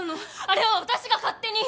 あれは私が勝手に。